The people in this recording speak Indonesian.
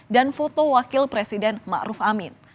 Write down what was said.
dan foto wakil presiden ma ruf amin